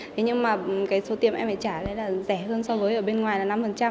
thế nhưng mà cái số tiền em phải trả đấy là rẻ hơn so với ở bên ngoài là năm